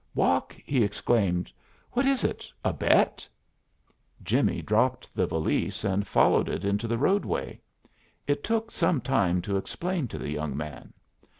"Walk!" he exclaimed. "What is it a bet?" Jimmie dropped the valise and followed it into the roadway. It took some time to explain to the young man.